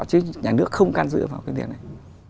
chứ nhà nước không can dự vào cái điện này